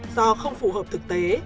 do không phù hợp thực tế